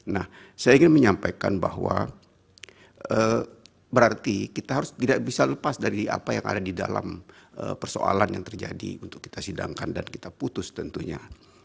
nah saya ingin menyampaikan bahwa berarti kita harus tidak bisa lepas dari apa yang ada di dalam persoalan yang terjadi untuk kita sidangkan dan kita putus tentunya